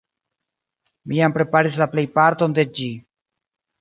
Mi jam preparis la plejparton de ĝi.